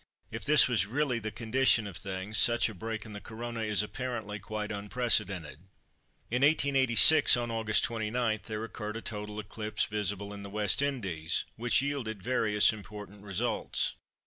If this was really the condition of things, such a break in the Corona is apparently quite unprecedented. In 1886, on August 29, there occurred a total eclipse, visible in the West Indies, which yielded various important results.